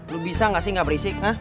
lu bisa gak sih gak berisik